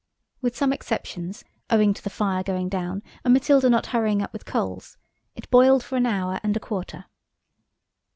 With some exceptions–owing to the fire going down, and Matilda not hurrying up with coals–it boiled for an hour and a quarter.